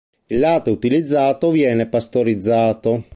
Il latte utilizzato viene pastorizzato.